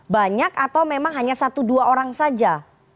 banyak atau memang hanya satu dua orang saja